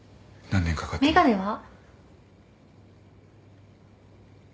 眼鏡は？